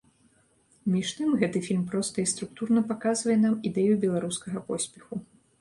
Між тым, гэты фільм проста і структурна паказвае нам ідэю беларускага поспеху.